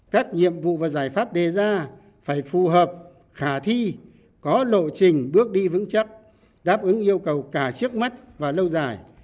các nhiệm vụ và giải pháp đề ra phải phù hợp khả thi có lộ trình bước đi vững chắc đáp ứng yêu cầu cả trước mắt và lâu dài